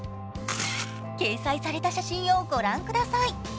掲載された写真を御覧ください。